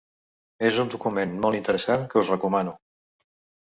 És un document molt interessant que us recomano.